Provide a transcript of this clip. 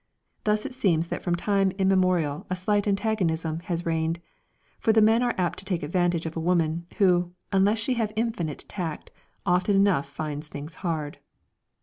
Thus it seems that from time immemorial a slight antagonism has reigned, for the men are apt to take advantage of a woman, who, unless she have infinite tact, often enough finds things hard.